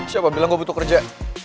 siapa bilang gue butuh kerja